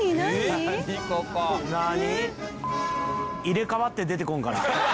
「入れ替わって出てこんかな」